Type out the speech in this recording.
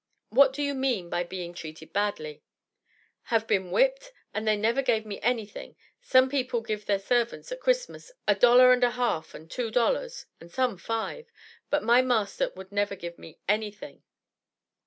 "What do you mean by being treated badly?" "Have been whipped, and they never give me anything; some people give their servants at Christmas a dollar and a half and two dollars, and some five, but my master would never give me anything."